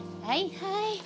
はいはい。